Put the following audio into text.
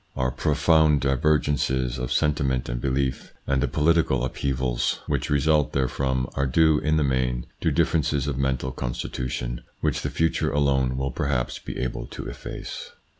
Our profound divergences of sentiment and belief, and the political upheavals which result therefrom, are due, in the main, to differences of mental constitution, which the future alone will perhaps be able to efface.